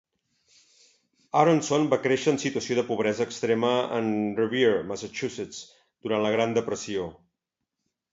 Aronson va créixer en situació de pobresa extrema en Revere, Massachusetts, durant la Gran Depressió.